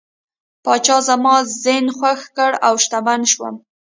پاچا زما زین خوښ کړ او شتمن شوم.